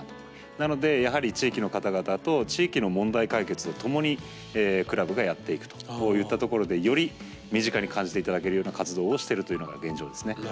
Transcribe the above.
なのでやはり地域の方々と地域の問題解決を共にクラブがやっていくといったところでより身近に感じて頂けるような活動をしているというのが現状ですね。